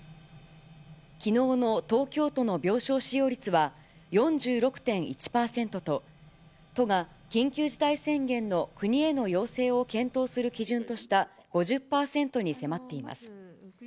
きのうの東京都の病床使用率は、４６．１％と都が緊急事態宣言の国への要請を検討する基準とした５０％に迫っています。